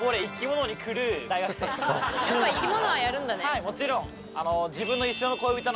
はいもちろん。